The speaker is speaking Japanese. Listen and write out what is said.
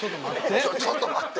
ちょっと待って。